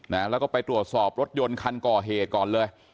นะแล้วก็ไปตรวจสอบรถยนต์คันก่อเหตุก่อนเลย